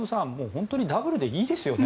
本当にダブルでいいですよね。